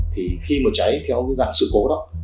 thì khi mà cháy theo cái dạng sự cố đó